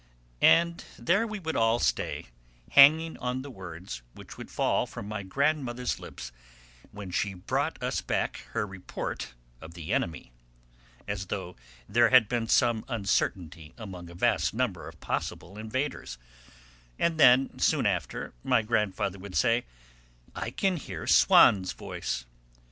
And there we would all stay, hanging on the words which would fall from my grandmother's lips when she brought us back her report of the enemy, as though there had been some uncertainty among a vast number of possible invaders, and then, soon after, my grandfather would say: "I can hear Swann's voice."